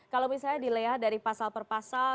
kalau misalnya dilihat dari pasal per pasal